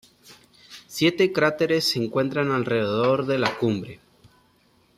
Siete cráteres se encuentran alrededor de la cumbre.